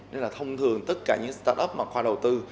nên là thông thường tất cả những start up mà khoa đầu tư